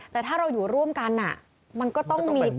แต่ถ้าเราอยู่ร่วมกันมันก็ต้องมี